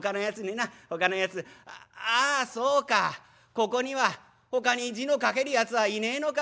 ここにはほかに字の書けるやつはいねえのか。